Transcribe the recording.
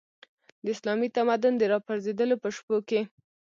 د اسلامي تمدن د راپرځېدلو په شپو کې.